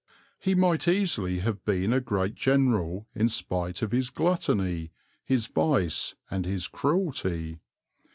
He might easily have been a great general in spite of his gluttony, his vice, and his cruelty.